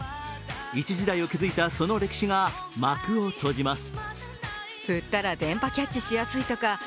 一時代を築いたその歴史が幕を閉じます。